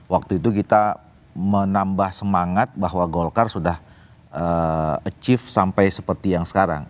waktu itu kita menambah semangat bahwa golkar sudah achieve sampai seperti yang sekarang